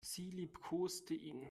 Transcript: Sie liebkoste ihn.